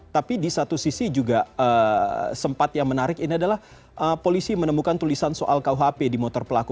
tapi di satu sisi juga sempat yang menarik ini adalah polisi menemukan tulisan soal kuhp di motor pelaku